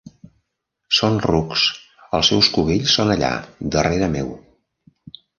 Són rucs, els seus cubells són allà, darrere meu.